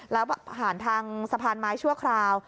แล้วผ่านทางสะพานไม้ชั่วคราว